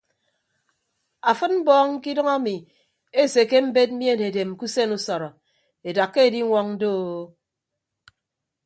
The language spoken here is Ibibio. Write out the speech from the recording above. Afịd mbọọñ kidʌñ emi esekke embed mien edem ke usen usọrọ edakka ediñwọñ doo.